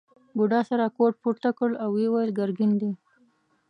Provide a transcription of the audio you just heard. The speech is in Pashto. بوډا سره کوټ پورته کړ او وویل ګرګین دی.